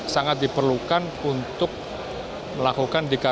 sangat diperlukan untuk membuat pembinaan hidrogen hijau